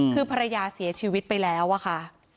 คือภรรยาเสียชีวิตไปแล้วอะค่ะ